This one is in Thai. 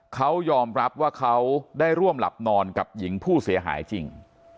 เขายอมรับว่าเขาได้ร่วมหลับนอนกับหญิงผู้เสียหายจริง